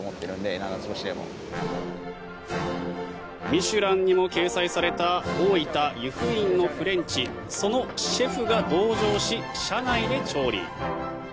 「ミシュラン」にも掲載された大分・湯布院のフレンチそのシェフが同乗し車内で調理。